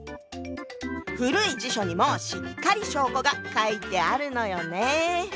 古い辞書にもしっかり証拠が書いてあるのよね。